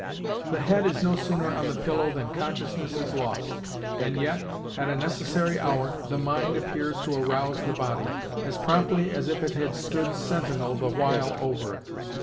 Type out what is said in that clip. The head is no sooner on the pillow than consciousness is lost; and yet, at a necessary hour, the mind appears to arouse the body, as promptly as if it had stood sentinel the while over it.